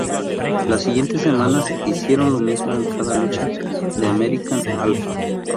Las siguientes semanas, hicieron lo mismo en cada lucha de American Alpha.